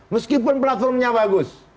meskipun platformnya bagus